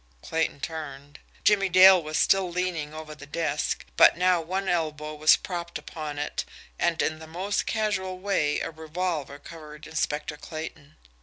Clayton turned. Jimmie Dale was still leaning over the desk, but now one elbow was propped upon it, and in the most casual way a revolver covered Inspector Clayton.